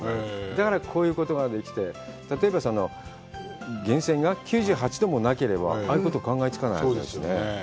だから、こういうことができて、例えば、源泉が９８度もなければ、ああいうこと、考えつかないですよね。